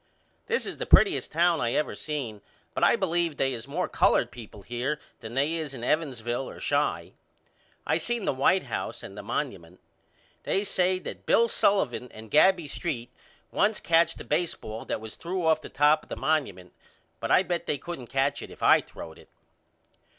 This is the prettiest town I ever seen but I believe they is more colored people here than they is in Evansville or Chi. I seen the White House and the Monumunt. They say that Bill Sullivan and Gabby St. once catched a baseball that was threw off of the top of the Monumunt but I bet they couldn't catch it if I throwed it.